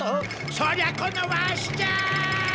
そりゃこのワシじゃ！